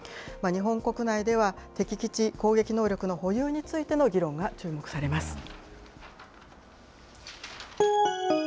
日本国内では、敵基地攻撃能力の保有についての議論が注目されます。